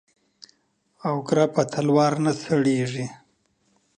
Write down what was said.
او گره په تلوار نه سړېږي.